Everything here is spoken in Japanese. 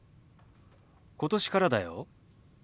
今年からだよ。